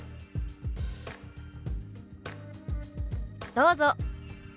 どうぞ。